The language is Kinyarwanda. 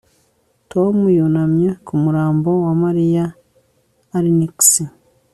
Tom yunamye ku murambo wa Mariya arnxy